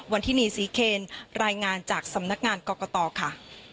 ทินีศรีเคนรายงานจากสำนักงานกรกตค่ะ